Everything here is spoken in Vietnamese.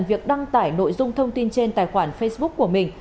việc đăng tải nội dung thông tin trên tài khoản facebook của mình